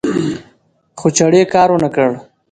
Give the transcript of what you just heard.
خو چړې کار ونکړ